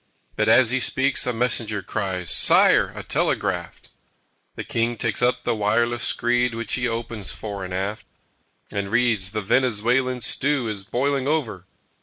But as he speaks, a Messenger Cries, "Sire, a telegraft!" The king up takes the wireless screed Which he opens fore and aft, And reads: "The Venezuelan stew Is boiling over.